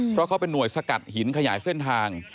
เพราะเขาเป็นห่วสกัดหินขยายเส้นทาง